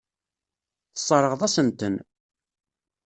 Tesseṛɣeḍ-asen-ten.